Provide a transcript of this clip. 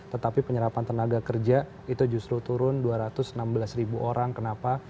tetapi penyerapan tenaga kerja itu justru turun dua ratus enam belas ribu orang kenapa